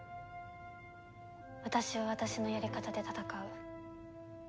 私は私のやり方で戦う。